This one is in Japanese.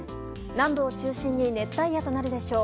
南部を中心に熱帯夜となるでしょう。